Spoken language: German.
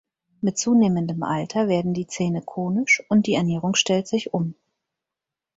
Mit zunehmendem Alter werden die Zähne konisch und die Ernährung stellt sich um.